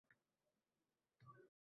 Yana uchrashguncha!